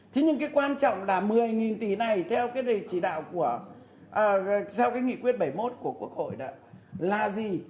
thế nhưng cái quan trọng là một mươi tỷ này theo cái chỉ đạo theo cái nghị quyết bảy mươi một của quốc hội đó là gì